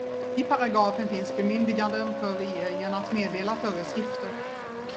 I paragrafen finns bemyndiganden för regeringen att meddela föreskrifter.